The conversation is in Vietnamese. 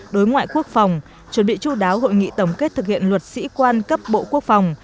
đối ngoại quốc phòng chuẩn bị chú đáo hội nghị tổng kết thực hiện luật sĩ quan cấp bộ quốc phòng